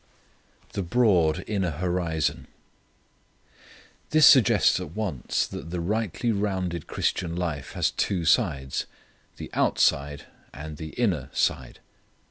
The Broad Inner Horizon. This suggests at once that the rightly rounded Christian life has two sides; the out side, and the inner side.